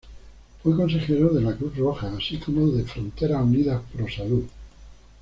Fue consejero de la Cruz Roja, así como de Fronteras Unidas Pro Salud.